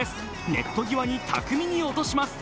ネット際に巧みに落とします。